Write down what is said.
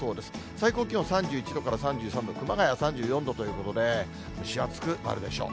最高気温３１度から３３度、熊谷３４度ということで、蒸し暑くなるでしょう。